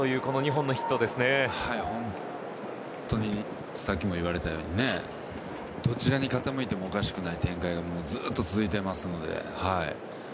本当にさっきも言われたようにどちらに傾いてもおかしくない展開がずっと続いていますので。